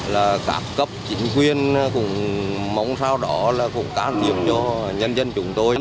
là các cấp chính quyền cũng mong sao đó là cũng can thiệp cho nhân dân chúng tôi